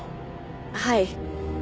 はい。